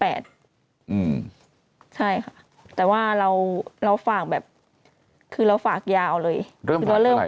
๘อืมใช่แต่ว่าเราเราฝากแบบคือเราฝากยาวเลยเริ่มเรื่อย